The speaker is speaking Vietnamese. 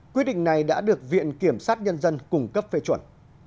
quyết định này đã được viện kiểm sát nhân dân cung cấp phê chuẩn